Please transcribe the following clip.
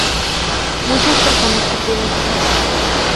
Muchas personas perdieron su trabajo.